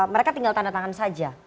mereka tinggal tanda tangan saja